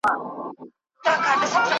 چي بنده کله مغروره په خپل ځان سي ,